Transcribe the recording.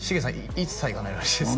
一切行かないらしいです